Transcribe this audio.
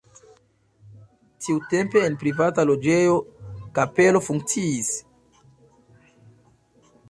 Tiutempe en privata loĝejo kapelo funkciis.